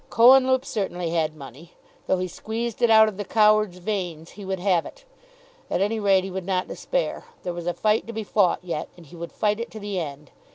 Cohenlupe certainly had money. Though he squeezed it out of the coward's veins he would have it. At any rate, he would not despair. There was a fight to be fought yet, and he would fight it to the end.